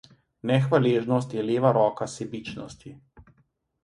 Nehvaležnost je leva roka sebičnosti.